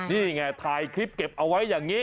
นี่ไงถ่ายคลิปเก็บเอาไว้อย่างนี้